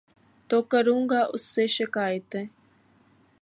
تو کروں گا اُس سے شکائتیں